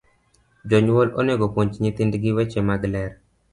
Jonyuol onego opuonj nyithind gi weche mag ler